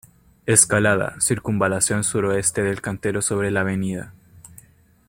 Escalada, circunvalación suroeste del cantero sobre la Av.